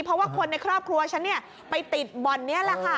เพราะว่าคนในครอบครัวฉันเนี่ยไปติดบ่อนนี้แหละค่ะ